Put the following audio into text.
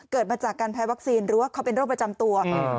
มาจากการแพ้วัคซีนหรือว่าเขาเป็นโรคประจำตัว